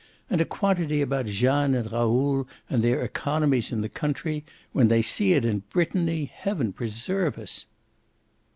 And a quantity about Jeanne and Raoul and their economies in the country. When they see it in Brittany heaven preserve us!"